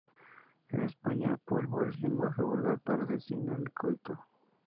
En España, "polvo" es lenguaje vulgar para designar el coito.